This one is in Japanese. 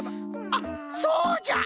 あっそうじゃ！